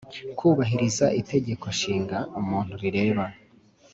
kubahiriza Itegeko nshinga muntu rireba